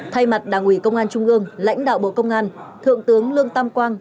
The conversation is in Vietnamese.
thay mặt đảng ủy công an trung ương lãnh đạo bộ công an thượng tướng lương tam quang